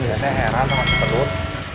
ini katanya heran sama sepedut